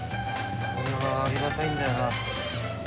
これはありがたいんだよな。